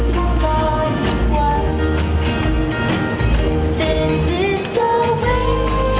โน้ทมันเป็นที่หัวใจ